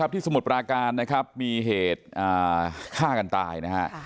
สมุทรปราการนะครับมีเหตุฆ่ากันตายนะฮะ